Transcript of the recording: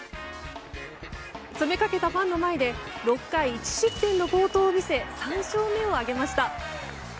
詰めかけたファンの前で６回１失点の好投を見せ３勝目を挙げました。